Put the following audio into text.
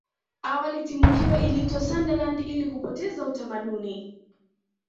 awali timu hiyo iliitwa sunderland ili kupoteza utamaduni